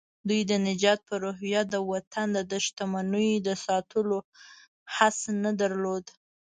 دوی د نجات په روحيه د وطن د شتمنيو د ساتلو حس نه درلود.